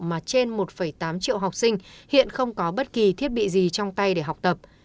mà trên một tám triệu học sinh hiện không có bất kỳ thiết bị gì trong tay để học tập